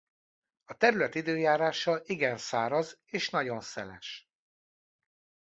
A terület időjárása igen száraz és nagyon szeles.